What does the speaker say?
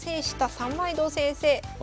三枚堂先生。